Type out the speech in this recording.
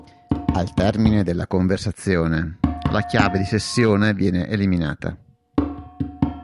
Al termine della conversazione, la chiave di sessione viene eliminata.